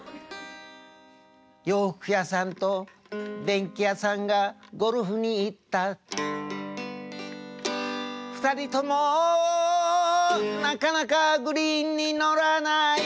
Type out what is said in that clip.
洋服屋さんと電気屋さんがゴルフに行った２人ともなかなかグリーンにのらない